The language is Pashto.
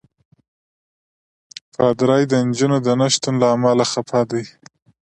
پادري د نجونو د نه شتون له امله خفه دی.